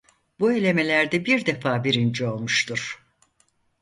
Bu elemelerde bir defa birinci olmuştur.